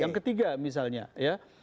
yang ketiga misalnya ya